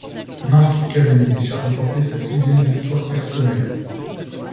Mark Cavendish a remporté sa sixième victoire personnelle.